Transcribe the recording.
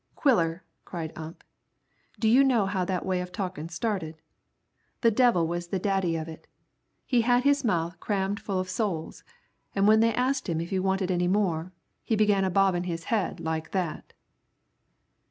"Quiller," cried Ump, "do you know how that way of talkin' started? The devil was the daddy of it. He had his mouth crammed full of souls, an' when they asked him if he wanted any more, he begun a bobbin' his head like that."